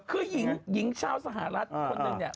คือหญิงชาวสหรัฐคนหนึ่ง